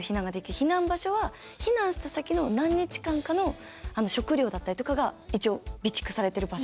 避難場所は避難した先の何日間かの食料だったりとかが一応備蓄されてる場所。